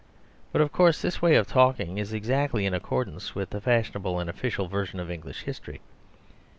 But, of course, this way of talking is exactly in accordance with the fashionable and official version of English history.